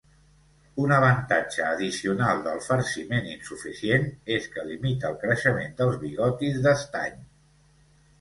Un avantatge addicional del farciment insuficient és que limita el creixement dels bigotis d'estany.